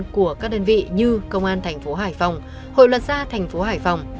của các đơn vị như công an thành phố hải phòng hội luật gia thành phố hải phòng